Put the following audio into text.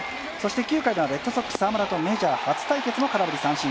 ９回ではレッドソックス沢村とメジャー初対決も空振り三振。